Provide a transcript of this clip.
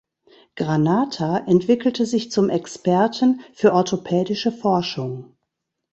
Granata entwickelte sich zum Experten für orthopädische Forschung.